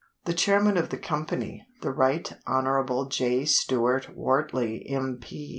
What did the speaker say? The chairman of the company (the Right Honorable J. Stuart Wortley, M.P.)